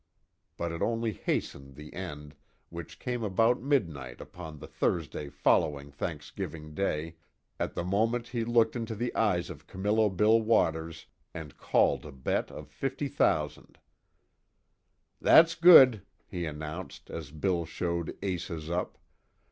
But it only hastened the end, which came about midnight upon the Thursday following Thanksgiving Day, at the moment he looked into the eyes of Camillo Bill Waters and called a bet of fifty thousand: "That's good," he announced, as Bill showed Aces up.